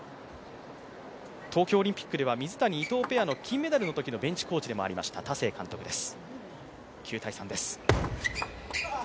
東京オリンピックでは水谷、伊藤ペアの金メダルの時のベンチコーチでもありました田勢監督です。